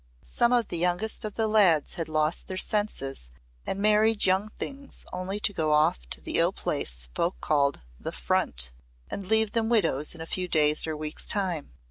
Some of the youngest of the lads had lost their senses and married young things only to go off to the ill place folk called "The Front" and leave them widows in a few days' or weeks' time.